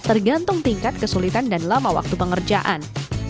tergantung tingkat kesulitan dan lama waktu pengerjaan